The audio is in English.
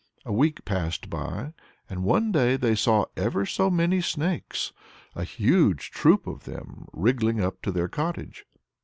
A week passed by, and one day they saw ever so many snakes, a huge troop of them, wriggling up to their cottage.